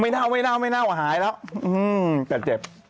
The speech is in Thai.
เน่าไม่เน่าไม่เน่าหายแล้วแต่เจ็บ